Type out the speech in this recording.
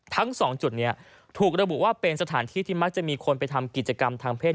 ทั้งสองจุดนี้ถูกระบุว่าเป็นสถานที่ที่มักจะมีคนไปทำกิจกรรมทางเพศ